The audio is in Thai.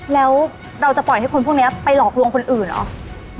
แล้วเราจะปล่อยให้คนพวกนี้ไปหลอกลวงคนอื่นเหรอ